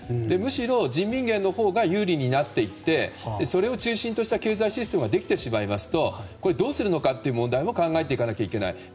むしろ、人民元のほうが有利になっていってそれを中心とした経済システムができるとどうするのかという問題も考えていかなければいけない。